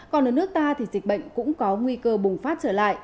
còn ở nước ta thì dịch bệnh cũng có nguy cơ bùng phát trở lại